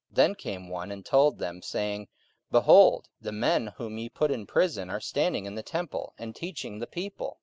44:005:025 Then came one and told them, saying, Behold, the men whom ye put in prison are standing in the temple, and teaching the people.